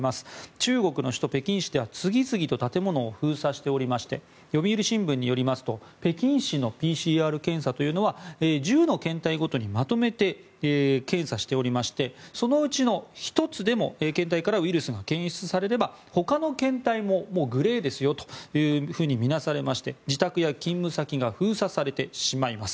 中国の首都・北京市では次々と建物を封鎖しておりまして読売新聞によりますと北京市のＰＣＲ検査というのは１０の検体ごとにまとめて検査しておりましてそのうちの１つでも検体からウイルスが検出されればほかの検体もグレーですよと見なされまして自宅や勤務先が封鎖されてしまいます。